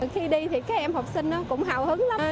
khi đi thì các em học sinh cũng hào hứng